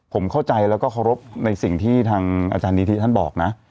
ผมเข้าใจแล้วก็เคารพในสิ่งที่ทางอาจารย์นิธิท่านบอกนะ